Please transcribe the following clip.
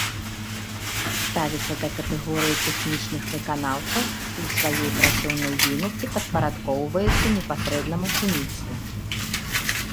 Ставіцца да катэгорыі тэхнічных выканаўцаў і ў сваёй працоўнай дзейнасці падпарадкоўваецца непасрэдна машыністу.